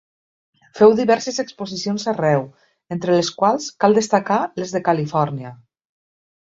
Féu diverses exposicions arreu, entre les quals cal destacar les de Califòrnia.